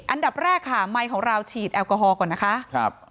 อันดับแรกค่ะไมค์ของเราฉีดแอลกอฮอลก่อนนะคะครับ